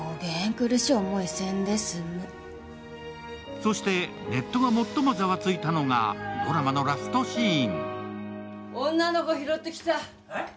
そして、ネットが最もざわついたのがドラマのラストシーン。